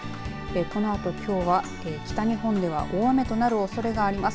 このあときょうは北日本では大雨となるおそれがあります